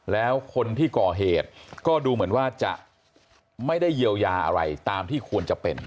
แล้วคนที่ก่อเหตุก็ดูเหมือนว่าจะไม่ได้เยียวยาอะไรตามที่ควรจะเป็น